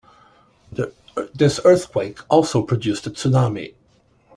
This earthquake also produced a tsunami.